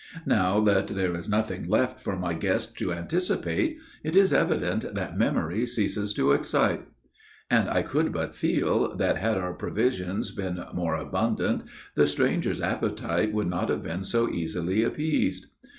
Now that there is nothing left for my guest to anticipate, it is evident that memory ceases to excite." And I could but feel that, had our provisions been more abundant, the stranger's appetite would not have been so easily appeased.